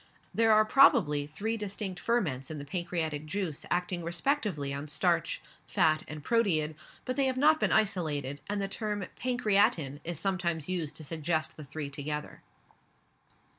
There are probably, three distinct ferments in the pancreatic juice acting respectively on starch, fat, and proteid, but they have not been isolated, and the term pancreatin is sometimes used to suggest the three together.